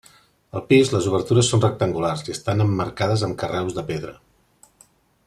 Al pis, les obertures són rectangulars i estan emmarcades amb carreus de pedra.